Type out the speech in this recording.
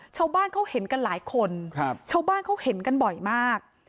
ชาวบ้านเขาเห็นกันหลายคนชาวบ้านเขาเห็นกันบ่อยมาก